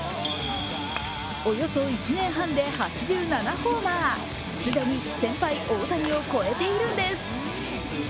およそ１年半で８７ホーマー既に先輩・大谷を超えているんです。